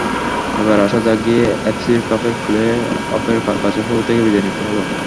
এবার আশা জাগিয়েও এএফসি কাপের প্লে-অফের বাছাইপর্ব থেকেই বিদায় নিতে হলো।